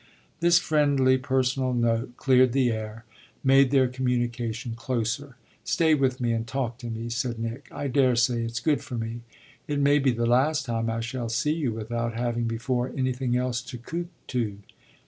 This friendly personal note cleared the air, made their communication closer. "Stay with me and talk to me," said Nick; "I daresay it's good for me. It may be the last time I shall see you without having before anything else to koo too."